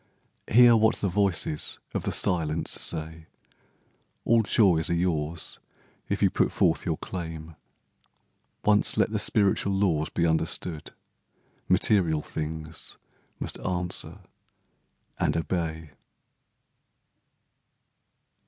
Hear what the voices of the Silence say— All joys are yours if you put forth your claim. Once let the spiritual laws be understood, Material things must answer and obey.